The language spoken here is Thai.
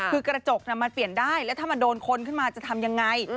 คือกระจกมันเปลี่ยนได้แล้วถ้ามันโดนคนขึ้นมาจะทำยังไง